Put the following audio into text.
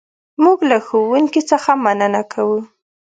موږ له ښوونکي څخه مننه کوو.